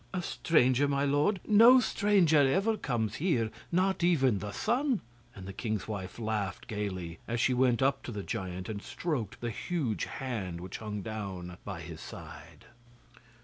'A stranger, my lord! no stranger ever comes here, not even the sun!' and the king's wife laughed gaily as she went up to the giant and stroked the huge hand which hung down by his side.